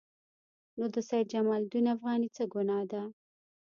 نو د سید جمال الدین افغاني څه ګناه ده.